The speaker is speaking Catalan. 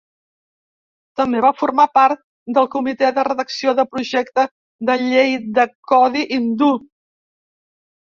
També va formar part del Comitè de Redacció del Projecte de Llei del Codi Hindú.